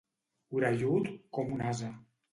Orellut com un ase.